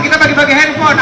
kita bagi bagi handphone